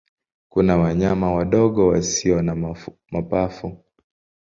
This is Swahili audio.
Kuna wanyama wadogo wasio na mapafu.